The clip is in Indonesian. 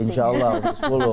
insya allah komisi sepuluh